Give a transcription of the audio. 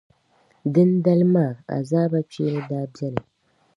Dindali maa, azaaba kpeeni daa beni.